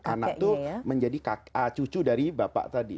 anak itu menjadi cucu dari bapak tadi